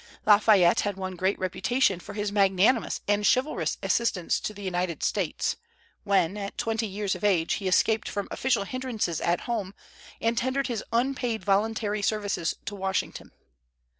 Lafayette had won a great reputation for his magnanimous and chivalrous assistance to the United States, when, at twenty years of age, he escaped from official hindrances at home and tendered his unpaid voluntary services to Washington.